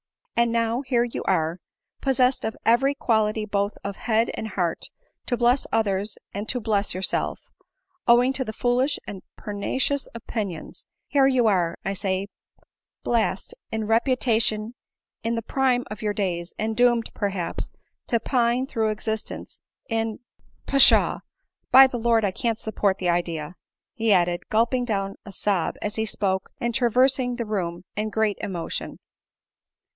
And now here are you, pos sessed of every quality both of head and heart to bless ' others and to bless yourself — owing to the/oolish and per i nicious opinions ;— here you are, I say, blasted in reputa * tion in the prime of your days, and doomed, perhaps, to pine through existence in Pshaw ! by the Lord I [ can't support the idea !" added he, gulping down a sob as he spoke, and traversing the room in great emotion.